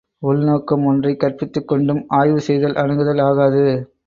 உள்நோக்கம் ஒன்றைக் கற்பித்துக் கொண்டும் ஆய்வு செய்தல் அணுகுதல் ஆகாது.